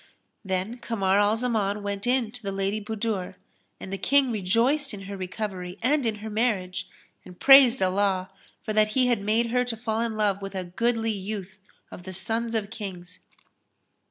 Then Kamar al Zaman went in to the Lady Budur and the King rejoiced in her recovery and in her marriage; and praised Allah for that He had made her to fall in love with a goodly youth of the sons of Kings.